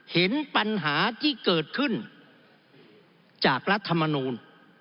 เห็นปัญหาที่เกิดขึ้นจากรัฐมนูล